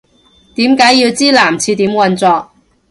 點解要知男廁點運作